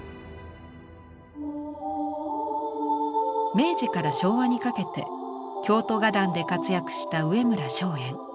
明治から昭和にかけて京都画壇で活躍した上村松園。